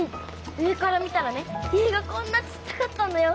上から見たらね家がこんなちっちゃかったんだよ。